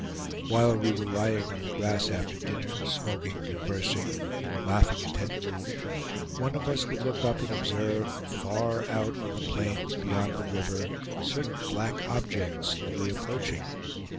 While we were lying on the grass after dinner, smoking, conversing, or laughing at Tete Rouge, one of us would look up and observe, far out on the plains beyond the river, certain black objects slowly approaching.